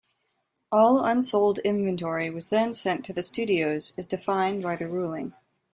All unsold inventory was then sent to the studios as defined by the ruling.